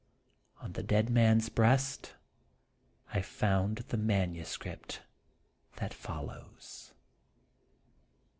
On the dead man's breast I found the manuscript that follows.